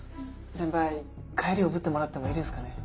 先輩帰りおぶってもらってもいいですかね？